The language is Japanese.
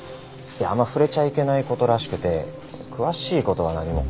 あんま触れちゃいけない事らしくて詳しい事は何も。